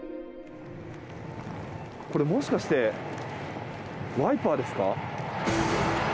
これもしかしてワイパーですか。